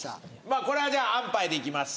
あこれはじゃああんぱいでいきます